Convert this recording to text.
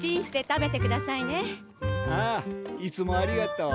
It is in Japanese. ああいつもありがとう。